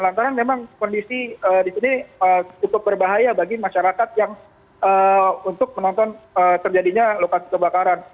lantaran memang kondisi di sini cukup berbahaya bagi masyarakat yang untuk menonton terjadinya lokasi kebakaran